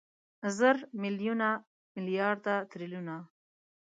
زره، ميليونه، ميليارده، تريليونه